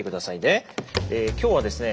え今日はですね